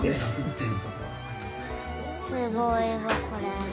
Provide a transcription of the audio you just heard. すごいわこれ。